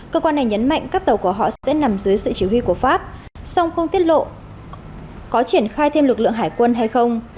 cơ quan này nhấn mạnh các tàu của họ sẽ nằm dưới sự chỉ huy của pháp song không tiết lộ có triển khai thêm lực lượng hải quân hay không